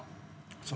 そう。